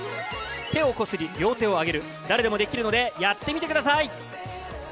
手をこすり、両手を挙げる、誰でもできるので、やってみてください。